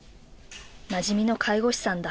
なじみの介護士さんだ。